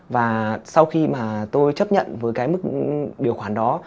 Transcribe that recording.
và sau khi mà tôi chấp nhận với cái mức điều khoản đó